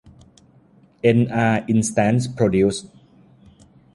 เอ็นอาร์ อินสแตนท์ โปรดิวซ์